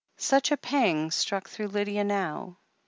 Such a pang struck through Lydia now.